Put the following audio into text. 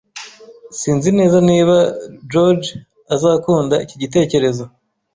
Sinzi neza niba George azakunda iki gitekerezo.